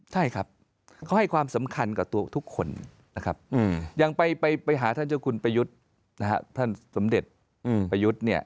เขาให้ความสำคัญกับตัวทุกคนอย่างไปหาท่านเจ้าคุณประยุทธท่านสำเด็จประยุทธ